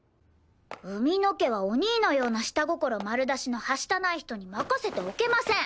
海野家はお兄のような下心丸出しのはしたない人に任せておけません！